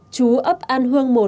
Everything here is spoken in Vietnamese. chú ấp an hương một